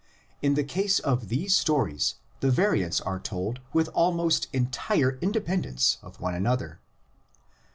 In the case of these stories the variants are told with almost entire independence of one another.